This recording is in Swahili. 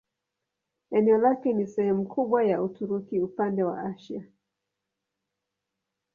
Eneo lake ni sehemu kubwa ya Uturuki upande wa Asia.